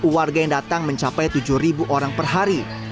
warga yang datang mencapai tujuh orang per hari